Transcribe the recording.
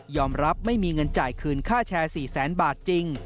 รับไม่มีเงินจ่ายคืนค่าแชร์๔แสนบาทจริง